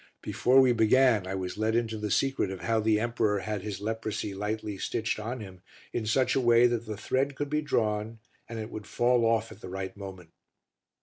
Before we began, I was let into the secret of how the emperor had his leprosy lightly stitched on him in such a way that the thread could be drawn, and it would fall off at the right moment.